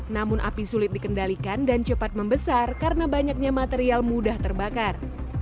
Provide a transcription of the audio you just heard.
namun api sulit dikendalikan dan cepat membesar karena banyaknya material mudah terbakar